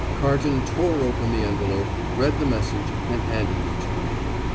Carton tore open the envelope, read the message, and handed it to me.